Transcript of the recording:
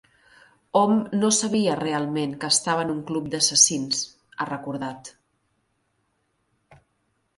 "Hom no sabia realment que estava en un club d'assassins", ha recordat.